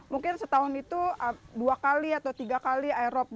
mungkin setahun itu dua atau tiga kali rob